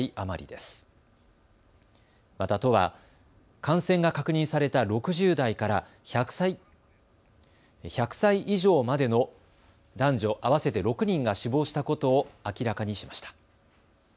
また都は感染が確認された６０代から１００歳以上までの男女合わせて６人が死亡したことを明らかにしました。